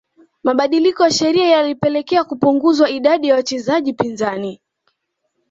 Mabadiliko ya sheria yalipelekea kupunguzwa idadi ya wachezaji pinzani